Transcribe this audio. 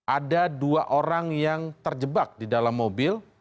ada dua orang yang terjebak di dalam mobil